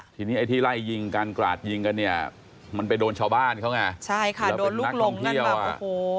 ทีนี้ไอ้ที่ไล่ยิงกันกราดยิงกันเนี่ยมันไปโดนชาวบ้านเขาไงใช่ค่ะโดนลูกหลงกันแบบโอ้โห